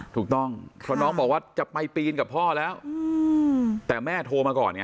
ถูกต้องเพราะน้องบอกว่าจะไปปีนกับพ่อแล้วแต่แม่โทรมาก่อนไง